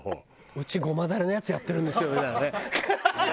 「うちゴマだれのやつやってるんですよ」みたいなね。